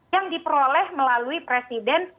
yang diperoleh melalui presiden